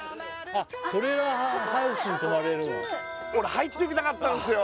俺入ってみたかったんですよ